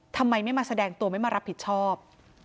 ทำไมไม่มาแสดงตัวไม่มารับผิดชอบ